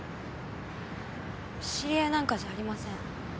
知り合いなんかじゃありません。